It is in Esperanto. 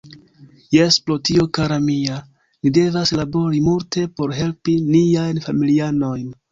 Jes, pro tio kara mia, ni devas labori multe por helpi niajn familianojn.